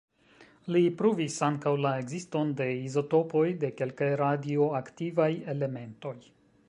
Li pruvis ankaŭ la ekziston de izotopoj de kelkaj radioaktivaj elementoj.